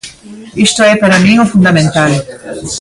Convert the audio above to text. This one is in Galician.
Iso é, para min, o fundamental.